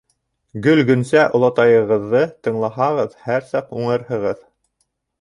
Гөл-Гөнсә олатайығыҙҙы тыңлаһағыҙ, һәр саҡ уңырһығыҙ!